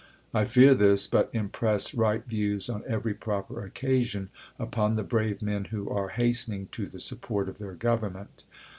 I fear this ; but im press right views, on every proper occasion, upon the brave men who are hastening to the support of their Government.